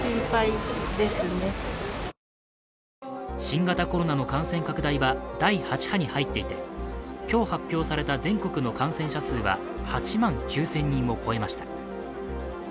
新型コロナの感染拡大は第８波に入っていて今日発表された全国の感染者数は８万９０００人を超えました。